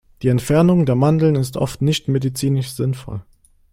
Die Entfernung der Mandeln ist oft nicht medizinisch sinnvoll.